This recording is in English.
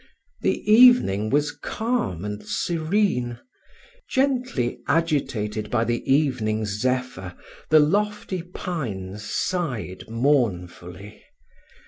The evening was calm and serene: gently agitated by the evening zephyr, the lofty pines sighed mournfully.